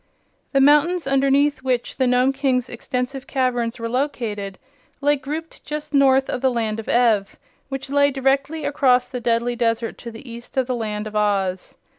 The mountains underneath which the Nome King's extensive caverns were located lay grouped just north of the Land of Ev, which lay directly across the deadly desert to the east of the Land of Oz.